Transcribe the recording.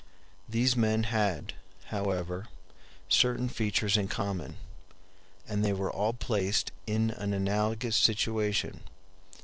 These men had, however, certain features in common, and they were all placed in an analogous situation.